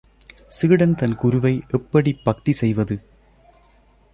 சீடன் தன் குருவை, எப்படிப் பக்தி செய்வது?